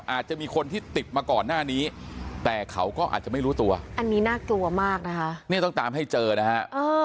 อาจจะมีคนที่ติดมาก่อนหน้านี้แต่เขาก็อาจจะไม่รู้ตัวอันนี้น่ากลัวมากนะคะเนี่ยต้องตามให้เจอนะฮะ